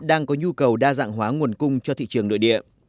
đang có nhu cầu đa dạng hóa nguồn cung cho thị trường nội địa